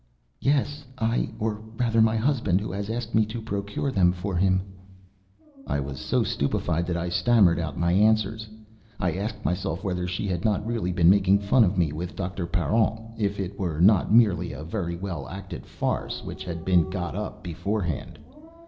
"Yes, I, or rather my husband, who has asked me to procure them for him." I was so stupefied that I stammered out my answers. I asked myself whether she had not really been making fun of me with Doctor Parent, if it were not merely a very well acted farce which had been got up beforehand.